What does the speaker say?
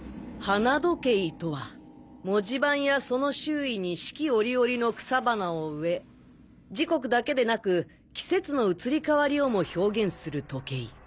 花時計とは文字盤やその周囲に四季折々の草花を植え時刻だけでなく季節の移り変わりをも表現する時計。